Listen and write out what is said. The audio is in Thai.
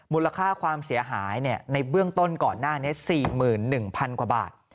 มูลค่าความเสียหายในเบื้องต้นก่อนหน้านี้๔๑๐๐๐กว่าบาท